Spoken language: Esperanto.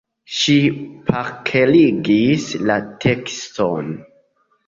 Ŝi parkerigis la tekston.